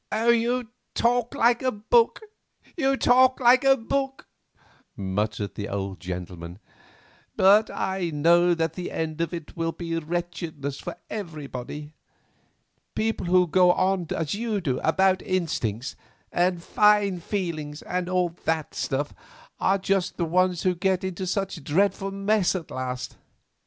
"You talk like a book—you talk like a book," muttered the old gentleman. "But I know that the end of it will be wretchedness for everybody. People who go on as you do about instincts, and fine feelings, and all that stuff, are just the ones who get into some dreadful mess at last.